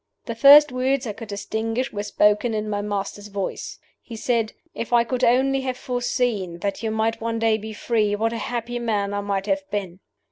"The first words I could distinguish were spoken in my master's voice. He said, 'If I could only have foreseen that you might one day be free, what a happy man I might have been!